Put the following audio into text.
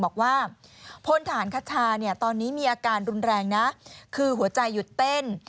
บอกว่าพลฐานคชาเนี่ยตอนนี้มีอาการรุนแรงนะคือหัวใจหยุดเต้น